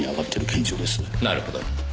なるほど。